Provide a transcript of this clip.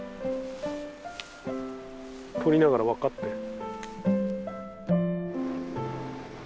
取りながら分かって。